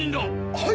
はい！